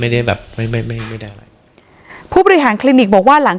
ไม่ได้แบบไม่ไม่ไม่ไม่ได้อะไรผู้บริหารคลินิกบอกว่าหลัง